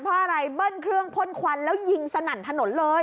เพราะอะไรเบิ้ลเครื่องพ่นควันแล้วยิงสนั่นถนนเลย